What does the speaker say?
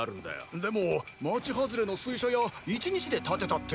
でも街外れの水車屋１日で建てたって。